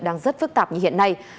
đang rất phức tạp như hiện nay